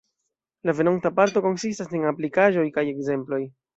La venonta parto konsistas en aplikaĵoj kaj ekzemploj.